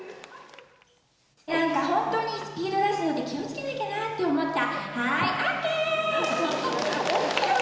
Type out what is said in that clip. なんか本当にスピード出すのって気をつけなきゃなと思った、はーい、ＯＫー。